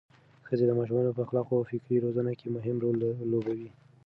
ښځې د ماشومانو په اخلاقي او فکري روزنه کې مهم رول لوبوي.